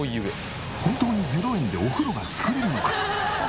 本当に０円でお風呂が作れるのか？